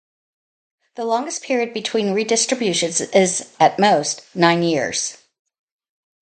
The longest period between redistributions is at most nine years.